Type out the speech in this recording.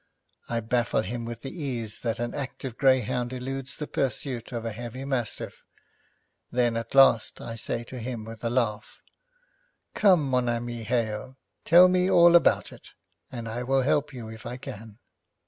I baffle him with the ease that an active greyhound eludes the pursuit of a heavy mastiff, then at last I say to him with a laugh, 'Come mon ami Hale, tell me all about it, and I will help you if I can.'